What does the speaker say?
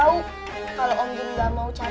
kalau om jin gak mau cari